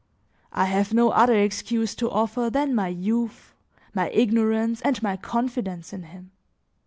I have no other excuse to offer than my youth, my ignorance and my confidence in him.